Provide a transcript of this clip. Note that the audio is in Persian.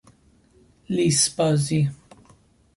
لیس بازی